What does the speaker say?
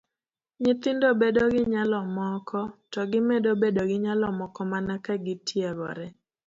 Nyithindo bedo gi nyalo moko, to gimedo bedo gi nyalo moko mana ka gitiegore.